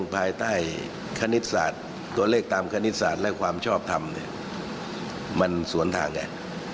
ภายใต้ตัวเลขตามคณิตศาสตร์และความชอบทำนี่มันสวนทางแกน